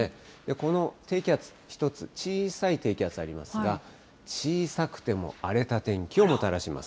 この低気圧、１つ、小さい低気圧ありますが、小さくても荒れた天気をもたらします。